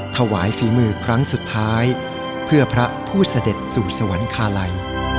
ถวายฝีมือครั้งสุดท้ายเพื่อพระผู้เสด็จสู่สวรรคาลัย